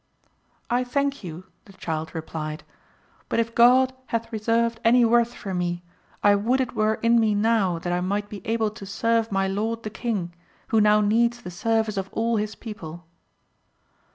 I thank you, the child replied, but if God hath reserved any worth for me, I would it were in me now that I might be able to serve my lord the king, who now needs the service of all his people.